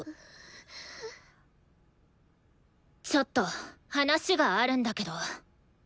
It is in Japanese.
ちょっと話があるんだけど。